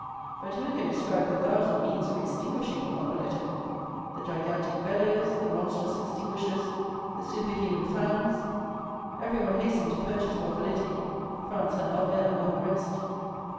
But who can describe the thousand means of extinguishing the moccoletto?—the gigantic bellows, the monstrous extinguishers, the superhuman fans. Everyone hastened to purchase moccoletti—Franz and Albert among the rest.